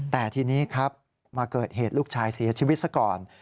แต่ทีนี้ครับมาเกิดเหตุลูกชายเสียชีวิตซะก่อน